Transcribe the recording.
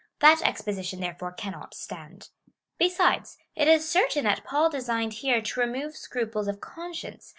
That expo sition, therefore, cannot stand. Besides, it is certain that Paul designed here to remove scrui^les of conscience, lest CHAP.